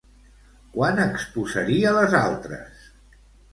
Quan exposaria les altres?